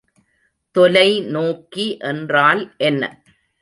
தொலைநோக்கி என்றால் என்ன?